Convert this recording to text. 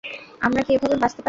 আমরা কি এভাবে বাঁচতে পারি?